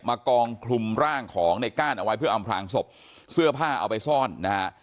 กองคลุมร่างของในก้านเอาไว้เพื่ออำพลางศพเสื้อผ้าเอาไปซ่อนนะฮะ